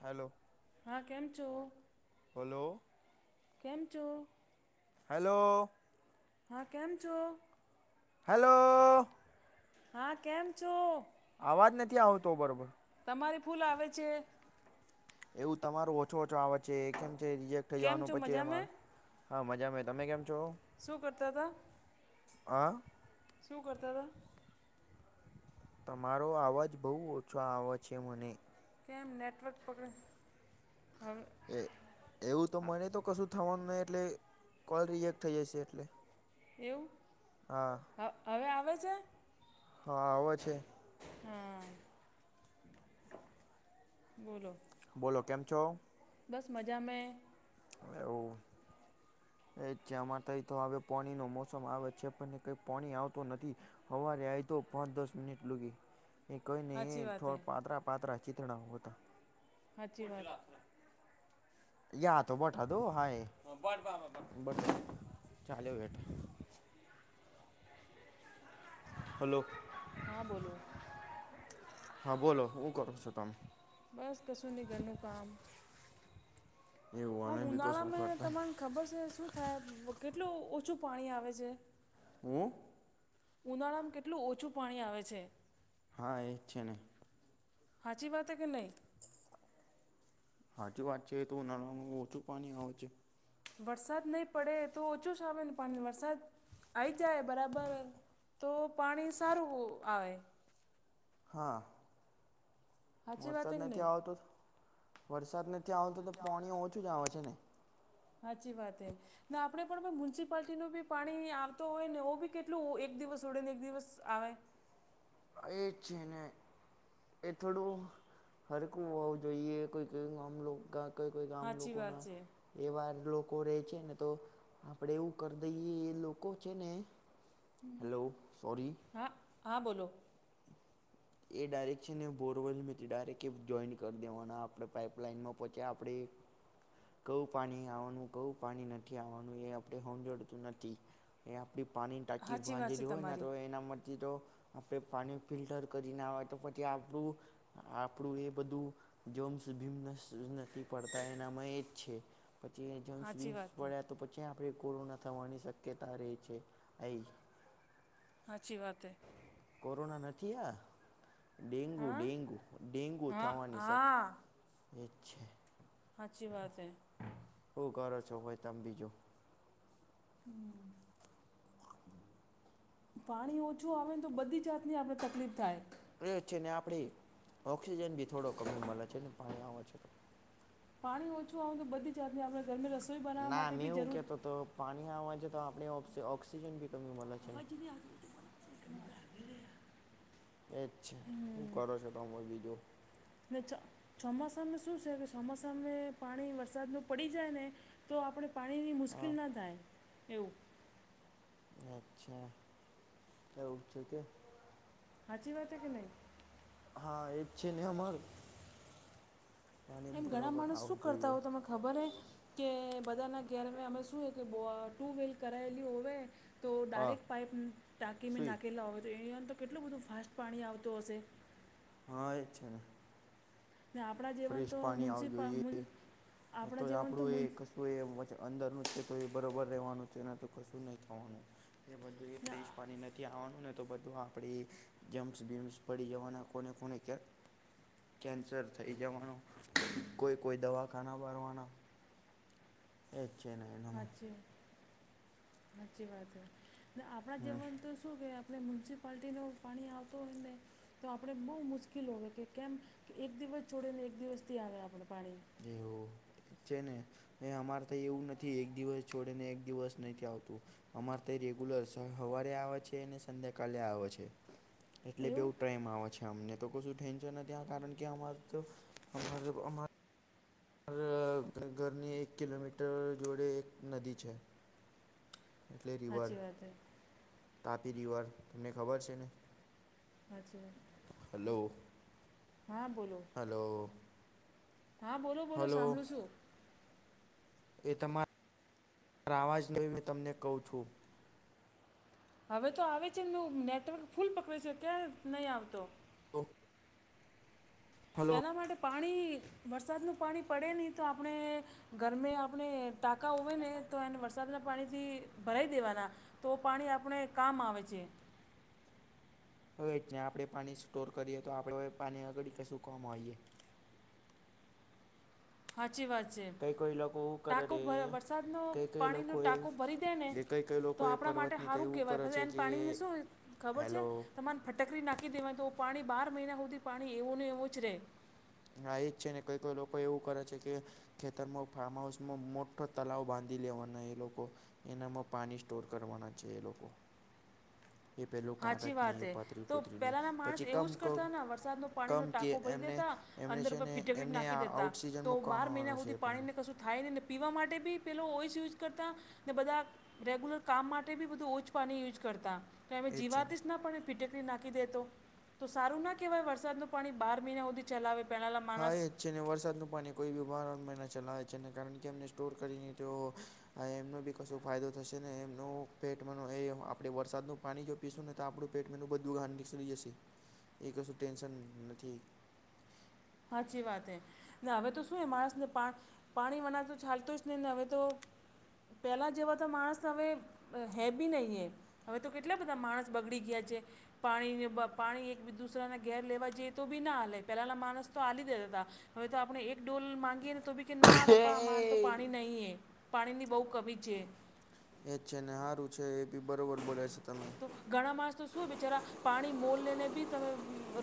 Hello હા કેમ છો હલો કેમ છો હેલો હા કેમ છો હાલો હા કેમ છો આવાજ નથી આવતો બરોબર તમારી ફૂલ આવે છે. એવું તમારોું ઓછો ઓછો આવ છે કેમ છે રિજેક્ટ થઈ કેમ જવાનું છો પછી મજામે એમાં હા મજામાં તમે કેમ છો? શું કરતાતા હા શું કરતાતા તમારો અવાજ બહુ ઓછો આવે છે મને કેમ નેટવર્ક પકડે એ એવું તો મને તો કશું થવાનું નહીં એટલે કોલ રિએેક્ટ થઈ જશે એટલે એવું હા. હ હવે આવે છે હા આવે છે. હા. બોલો. બોલો કેમ છો બસ મજા મે એવું એ જમાં ત તો હવે પાણી ન મોસમ આવે છે પણ કઈ પાણી આવતું નથી હવારે આયુ તું પાંચ દસ મિનિટ લૂગી એ કોઈ નઈ સાચી વાત હે થોડ પાતરા પાતરા ચીતણા બતા હાચી વાત. [unintelligible] હલો. હા બોલો હા બોલો હું કરો છો તમે બસ કશું નિ ઘરનું કામ એવું આમ અમે બી કશું ઉનાળામાં કરતા તમાને ખબર છે શું થાય કેટલું ઓછું પાણી આવે છે. હું ઉનાળામાં કેટલું ઓછું પાણી આવે છે. હા એ જ છે નહીં હાચી વાત કે નહીં હાચી વાત છે એ તો ઉનાળુ ઓછું પાણી આવે છે વરસાદ નહીં પડે તો ઓછો આવે ને પાણી વરસાદ આઈ જાય બરાબર તો પાણી સારું આવે હા. સાચી વાત વરસાદ હે કે નથી નહીં આવતો વરસાદ નથી આવતો તો પાણી ઓછું જ આવે છે ને હાચી વાત હૈ ના આપણેે પણ મ્યુનિસિપાલટીનું બી પાણી આવતો હોય ને એ બી કેટલું એક દિવસ ઉડે ને એક દિવસ આવે એ છેીને એ થોડું હરખું હોવું જોઈએ કોઈ કઈ [unintelligible] કઈ કોઈ ગામ સાચી વાત લોકોના છે એવાર લોકો રહેે છે ને તો આપડે એવું કરી દઈએ એ લોકો છે ને હેલો સોરી હા હા બોલો એ ડાયરેકશનને બોરવેલથી ડાયક્ટ એ જોઈન્ટ કરી દેવાના આપણે પાઈપલાઇનમાં પહોંચ્યા આપણે કવું પાણી આવવાનું કવું પાણી નથી આવવાનું એ આપણે હમજણતું નથી. એ આપણી પાણીની ટાંકી સાચી વાત છે વાંધેલી હોય ને તો તમારી એનામાંથી તો આપણે પાણી ફિલ્ટર કરી ના હોય તો પછી આપણું આપણું એ બધું જોમ્સ ભીમ નથી પડતા એનામાં એ જ છે. પછી જમ્સ સાચી વિમસ વાત છે પડ્યા તો પછી આપણે કોરોના થવાની શક્યતા રહે છે એહી હાચી વાત હે. કોરોના નથી આ ડેન્ગુ હા ડેન્ગુ ડેન્ગુ હા થવાની સ હા એ છે. હાચી વાત હે. હું કર છો હોય તમે બીજું? હમ. પાણી ઓછું આવે ને તો બધી જાતની આપડે તકલીફ થાય એ છે ને આપડી ઓક્સિજન ભી થોડો કમી મળે છે ને પાણી આવે છે તો. પાણી ઓછું આવેનું તો બધી જાતની આપણે ગરમે રસોઈ બનાવવા ના માટે મેં બી એવું જરૂર કહેતો તો પાણી આવે છે તો આપણે ઓ ઑક્સિજન બી કમી મળે છે ને. એજ છે શું કરો છો તમે બીજું. ને ચ ચોમાસાને શું છે કે ચોમાસાને પાણી વરસાદનું પડી જાય ને તો આપણે પાણીની મુશ્કેલ હા ના થાય એવું. અચ્છા એવું છે કે. હાચી વાત કે નહીં. હા એજ છે ને અમારું પાણી એમ ઘણા બરોબર માણસ આવું શું કરતા જોઈએ. હોય તમને ખબર હ કે બધાના ઘરમાં અમે શુંએ કે બ ટુ વ્હીલ કરાયેલી હોય તો હા ડાયરેક્ટ પાઈપ ટાંકી મે સુઈ નાખેલા હોય તો એહીંઆ તો કેટલું બધું ફાસ્ટ પાણી આવતું હશે. હા એ છે ને. આપડા ફ્રેશ પાણી આવું જોઈએ તો આપણા જ જીવન આપણું મુન એ તો એ અંદરનું છે તો એ બરોબર રહેવાનું છેને તો કશું નહીં ખવાનું એ બધું જે ના [unintelligible] પાણીને આવાનું ને તો બધું આપણે જમપ્સ બીમસ પડી જવાના કોને કોને કેન્સર થઈ જવાનો કોઈ કોઈ દવાખાના ભરવાના એજ છે ને. એનામાં સાચી સાચી વાત આપણા હમ જેવાનું તો શું કે અને મ્યુનિસિપેાલ્ટટીનો પાણી આવતો હોયને તો આપણે બહુ મુશ્કેલ હોય કે કેમ કે એક દિવસ છોડીને એક દિવસથી આવે આપણે પાણી. એવું છે ને. એ અમારે તો એવું નથી એક દિવસ છોડે ને એક દિવસ નથી આવતું. અમારે તે રેગ્યુલર સવારે આવે છે અને સંધ્યાકાલે આવે છે. એટલે એવું બેવુ ટાઈમ આવે છે અમને તો કશું ટેન્શન નથી કારણ કે અમા તો અમારા ઘરની એક કિલોમીટર જોડે એક નદી છે. એટલે રિવર સાચી વાત છે તાપી રિવર તમને ખબર છે ને? [unintelligible] હલો હા બોલો હલો. હા બોલો બોલો હલો સાંભળું છું. એ તમારા અવાજને તમને કહું છું. હવે તો આવે છે એવું નેટવર્ક ફૂલ પકયું છે ક્યાં નહીં આવતો? ઓ એના માટે પાણી વરસાદનું પાણી પડે નહીં તો આપણે ગરમે આપણે ટાંકા હોય ને તો એને વરસાદના પાણી થી ભરાઈ દેવાના. તો પાણી આપણે કામ આવે છે. હવે જ આપણે પાણી સ્ટોર કરીએ તો આપડે પાણી આગળ કશું કામ આવીએ. સાચી વાત છે કઈ કઈ લોકો એવું કરે ટાંકો ભર છે વરસાદનું કઈ કઈ પાણીનો લોકોએ ટાંકો ભરી દે ને એ કઈ કઈ તો લોકો એ આપણા માટે પર્વતની તો સારું એવું કેવાય કરે પછી છે એને કે પાણીમાં શું ખબર છે હેલો તમારે ફટકરી નાખી દેવાની તો પાણી બાર મહિના હુધી પાણી એવું ને એવું જ રે. હા એજ છે ને કોઈ કોઈ લોકો એવું કરે છે કે ખેતરમાં ફાર્મ હાઉસમાં મોટો તલાવ બાંધી લેવાના એ લોકો. એનામાં પાની સ્ટોર કરવાના છે એ લોકો. એ પેલું હાચી કાગજને વાત એ હે પતરી તો પુતરીને પેલાના માણસ પછી એવું કમ જ ક કરતા ના વરસાદનો કમ પાણીનો કે ટાંકો ભરી એમને દેતા. એમને અંદર છે પછ ને ફીટકડી એમને નાખી આ દેતા આઉટ તો સિઝનમાં બાર કમાવાનું મહિના છે હુધી પાણી પાણીને કશું થાય ની ને પીવા માટે બી પેલો ઓઈઝ યુઝ કરતા ને બધાં રેગુલર કામ માટે બી બધું ઓછ પાની યુઝ કરતા. તો એમે એ છે જીવાત ને જ ના પડે. ફીટકડી નાખી દેતો તો સારું ના કહેવાય વરસાદનું પાણી બાર મહિના હુધી ચલાવે પેલા લા હા માણસ એ જ છે ને વરસાદનું પાણી કોઈ બી બાર મહિના ચલાવે છે ને કારણ કે એમને સ્ટોર કરીને તો હા એમનો બી કશું ફાયદો થશે નહીં એમનો પેટ માનો એ આપડે વરસાદનું પાણી જો પીશું ને તો આપણું પેટ મેનું બધું ઘાન નીકડી જશે એ કશું ટેન્શન નથી. હાચી વાતે. ને હવે તો શું એ માણસને પા પાણી વના તો ચાલતો જ નહીં ને હવે તો પેલા જેવા તો માણસ હવે હે બી નહીં એ. હવે તો કેટલા બધાં માણસ બગડી ગયા છે. પાણીને બ પાણી એક બી દુસરાને ઘેર લેવા જઈએ તો બી ના આલે પેલાના માણસ. તો આલી દેતા તા. હવે તો આપણે એક ડોલ માંગીએ ને તો ભી કે ના બાપા અમારે તો એ પાણી નહીં એ. પાણીની બહુ કમી છે. એજ છે ને હારું છે એ બી બરોબર બોલ્યા છો તમે. તો ઘણા માણસ તો શું હે બેચારા પાણી મોલને ને બી તમે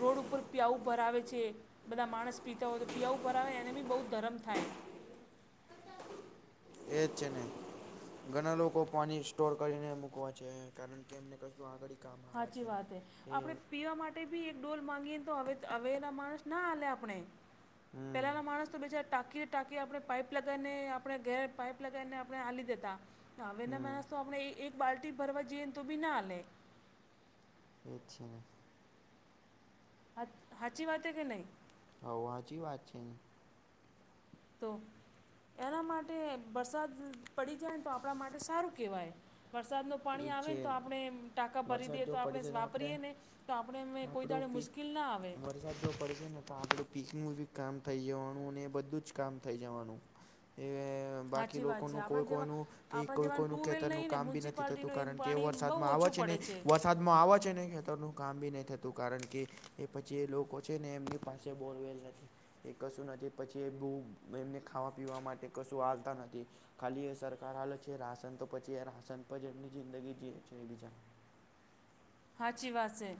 રોડ ઉપર પ્યાઉ ભરાવે છે. બધા માણસ પીતા હોય તો પીવા ઉપર આવે એને બી બહુ ધરમ થાય. એજ છે ને ઘણા લોકો પાણી સ્ટોર કરીને મુકવા છે કારણ કે એમને કશું આગળી હાચી વાત હે. આપણે પીવા માટ ટે બી એક ડોલ માંગીએ ને તો હવે હવે ના માણસ ના આલે આપને હમ પેલાના માણસ તો બેચાર ટાંકીએ ટાંકીએ આપણે પાઈપ લગાઈને આપણે ઘેર પાઇપ લગાઈને આપને આલી દેતા. હવેના હમ માણસ તો આપણે એક એક બાલ્ટી ભરવા જઈએ ને તો બી ના આલે. એજ છે ને હા હાચી વાત હે કે નહીં? હોવ હાચી વાત છે એ તો એના માટે બરસાદ પડી જાયને તો આપણા માટે સારું કહેવાય. વરસાદનો એ પાણી જ આવે છે ને તો આપણે ટાંકા ભરી વરસાદ દઈએ તો જો આપણે પડશે વાપરીએ ને તો આપણે એમ એ કોઈ આપણું દાડે પી મુશ્કીલ ના આવે. વરસાદ જો પડશે ને તો આપડું પીકનું બી કામ થઈ જવાનું અને એ બધું જ કામ થઈ જવાનું. એ બાકી સાચી વાત છે લોકોનું આપણે કોઈ જેવા કોઈનું કે આપણે કોઈ જેવાનું કોઈનું ટ્યુબવેલ ખેતરનું નહીં ને કામ બી નથી થત તું મ્યુનિસિપાલિટીનું એ કારણ કે પાણી બહુ વરસાદમાં આવે ઓછું છે ને પડે વરસાદ માં આવ છે ને ખેતરનું કામ બી નહી થતું કારણ કે એ પછી એ લોકો છે ને એમની પાસે બોરવેલ નથી. એ કશું નથી પછી એ બૂ એમને ખાવા પીવા માટે કશું આલતા નથી. ખાલી એ સરકાર આલે છે રાશન તો પછી એ રાશન પર જ એમની જિંદગી જીએ છે એ બીજા હાચી વાત સે.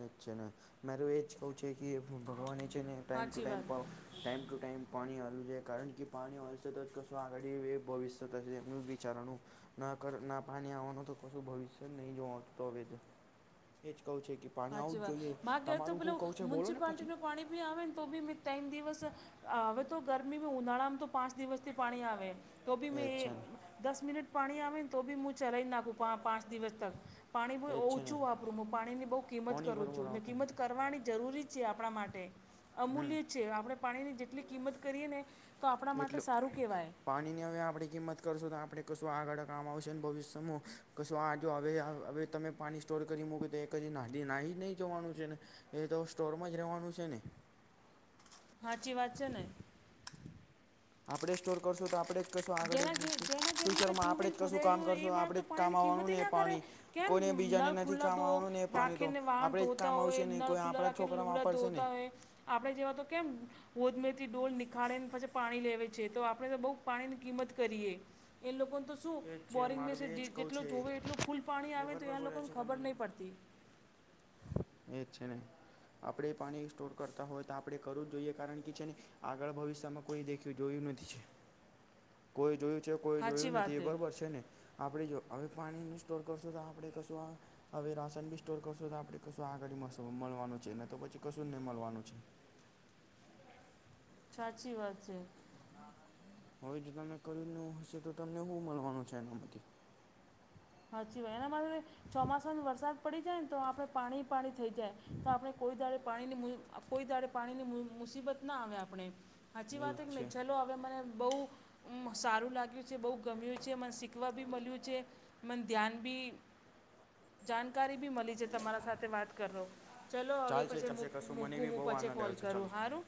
એજ છે ને મારું એ જ કઉં છે કે ભગવાન એ છે ને ટાઈમ ટુ સાચી ટાઈમ વાત પાવ ટાઈમ ટુ ટાઈમ પાણી હરવુંઈએ કારણ કે પાણી હલશે તો જ કશું આગળ એ ભવિષ્યત હશે એમનું વિચારણનું ના કર ના પાની આવવાનું તો કશું ભવિષ્ય જ નહી જોવ હવે તો એ જ કઉં છે કે પાણી હાચી આવું જ વાત જોઈએ માર ઘેર તો તમારું શું પેલું કહું છે બોલો ને પછી મ્યુનિસિપાલટીનું પાણી બી આવે ને તો બી મી તેન દિવસ અ હવે તો ગરમીમાં ઉનાળામાં તો પાંચ દિવસથી પાણી આવે. તો બી મેં જ એ છે ને દસ મિનિટ પાણી આવે ને તો બી મું ચલાઈ જ નાખું. પાંચ દિવસ તક પાણી બ એ જ છે ને ઓછું વાપરું હું પાણી ની બહુ કિંમત પાણી કરું બરોબર છું ને આવતું કિંમત નથી કરવાની જરૂરી છે આપણા માટે અમૂલ્ય છે આપણે પાણીની જેટલી કિંમત કરીએ ને તો આપણા માટે એટલેું સારું કહેવાય પાણીની હવે આપણે કિંમત કરશું તો આપણે કશું આગળ કામ આવશે ને ભવિષ્યમાં કશું આ જો હવે હવે તમે પાણી સ્ટોર કરી મૂકી તો એક હછ નાદી નાહી જ નહીં જવાનું છે ને એ તો સ્ટોરમાં જ રવાનું છે ને હાચી વાત છે નહી આપણે સ્ટોર કરશું તો આપણે જેના ઘે જેના ઘેર મેં તો આરમાં આપણેે ટ્યુબવેલ જ કશું કામ ખોદાયેલું હોય એ કરશું માણસ તો આપણેે જ કામ પાણીની કિંમત આવવાનું ને ના કરે પાણી કેમ કોઈને બીજાને નળ નથી ખુલ્લા ધો કામવાનું ને પાણી તો રાખીને વાહણ આપણેે જ ધોતા કામ આવશે હોય નહી નળ કોઈ ખુલ્લા આપણા રાખીને છોકરા લુગડા વાપરશે ને ધોતા હોય આપણે જેવા તો કેમ ગોદમેરથી ડઢોલ નિખાળેને પછી પાણી લેએ છે તો આપણે તો બહુ પાણી કિંમત કરીએ એ લોકોને તો શું એ જ છે બોરિંગ મારું મેસે બી એ જ જે કહું જેટલો છે જોવે એટલ ફૂલ પાણી એ આવે તો બરાબર એ્યાં બોલ્યા લોકોને છે ખબર તમે નહીં પડતી [inaudible] એ જ છે ને આપણે પાણી સ્ટોર કરતા હોય તો આપણે કરવું જ જોઈએ કારણ કે છે ને આગળ ભવિષ્યમાં કોઈ દેખ્યું જોયું નથી છે. [inaudible] કોઈ જોયું છે કોઈ સાચી જોયું નથી વાત છે શે ને આપણે જો હવે પાણીનો સ્ટોર કરશું તો આપણે કશું આ હવે રાશન બી સ્ટોર કરશો તો આપે કશું આગળ મળવાનું છે તો પછી કશું નહી મળવાનું છે સાચી વાત છે હવે જો તમે કર્યું હશે તો તમને શું મળવાનું છે એનામાંથી હચીવાય એના મારે ચોમાસાની વરસાદ પડી જાય ને તો આપણે પાણી પાણી થઈ જાય તો આપણે કોઈ દાડે પાણીની કોઈ દાડે પાણીની મુસીબત ના આવે આપણે સાચી વાત એવું કે જ છે નહી ચલો હવે મને બહુ સારું લાગ્યું છે બહુ ગમ્યું છે મને શીખવા બી મળ્યું છે મને ધ્યાન બી જાણકારી બી મળી છે તમારા સાથે વાત કરો ચલો હવે ચાલશે પછીક ચાલશે કશું મને મૂકું બી હું બહુ આનંદ પછી કોલ આવ્યો છે ચાલો કરું સારું